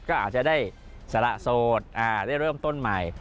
ก็อาจจะได้สละโสดได้เริ่มต้นใหม่